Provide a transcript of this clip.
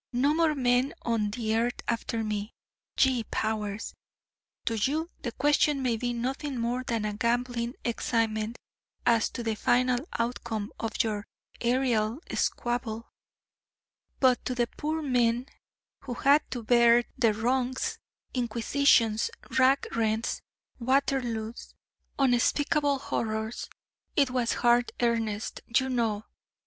No more men on the earth after me, ye Powers! To you the question may be nothing more than a gambling excitement as to the final outcome of your aërial squabble: but to the poor men who had to bear the wrongs, Inquisitions, rack rents, Waterloos, unspeakable horrors, it was hard earnest, you know!